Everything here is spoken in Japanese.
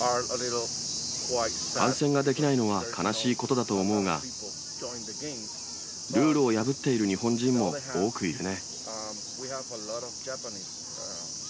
観戦ができないのは悲しいことだと思うが、ルールを破っている日本人も多くいるね。